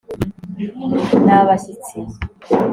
ni abashyitsi